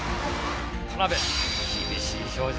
田辺、厳しい表情。